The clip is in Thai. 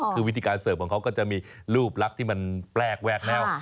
คือวิธีการเสิร์ฟของเขาก็จะมีรูปลักษณ์ที่มันแปลกแวกแนว